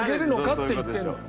って言ってるのよ。